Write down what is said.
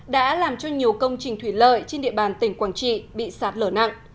đã làm cho nhiều công trình thủy lợi trên địa bàn tỉnh quảng trị bị sạt lở nặng